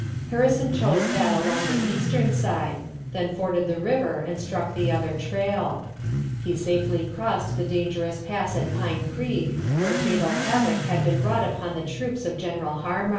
Harrison chose that along the eastern side, then forded the river and struck the other trail. He safely crossed the dangerous pass at Pine Creek, where fatal havoc had been wrought upon the troops of General Harmar.